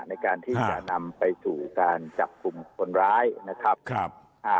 ในการที่จะนำไปถูการจับคุมคนร้ายนะครับ